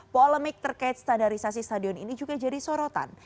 polemik terkait standarisasi stadion ini juga jadi sorotan